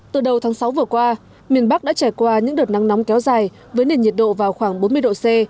từ đầu tháng sáu vừa qua miền bắc đã trải qua những đợt nắng nóng kéo dài với nền nhiệt độ vào khoảng bốn mươi độ c